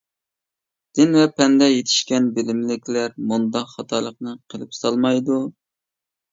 دىن ۋە پەندە يېتىشكەن بىلىملىكلەر مۇنداق خاتالىقنى قىلىپ سالمايدۇ.